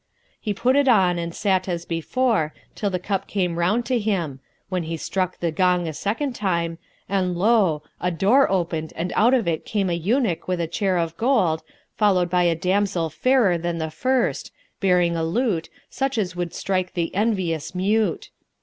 He put it on and sat as before, till the cup came round to him, when he struck the gong a second time and lo! a door opened and out of it came a eunuch with a chair of gold, followed by a damsel fairer than the first, bearing a lute, such as would strike the envious mute.